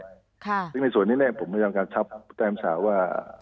ผมทำการชับแจ้งคำสามารถว่า